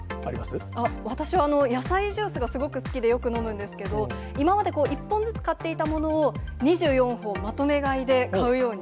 私は野菜ジュースがすごく好きで、よく飲むんですけど、今まで１本ずつ買っていたものを、２４本まとめ買いで買うように。